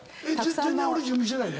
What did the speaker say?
全然俺準備してないで？